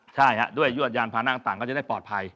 ใช่ด้วยยวดยานพานั่งต่างก็จะได้ปลอดภัย